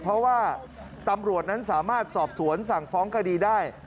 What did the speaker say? เพราะว่าตำรวจนั้นสามารถสอบสวนสั่งฟ้องคดีได้